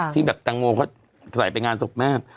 ที่แบบแตงโมเขาใส่ไปงานศพแม่